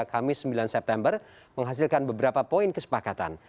kamis sembilan september menghasilkan beberapa poin kesepakatan